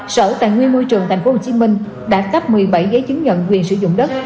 sở tài nguyên môi trường tp hcm đã cấp một mươi bảy giấy chứng nhận quyền sử dụng đất